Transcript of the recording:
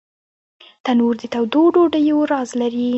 تنور د تودو ډوډیو راز لري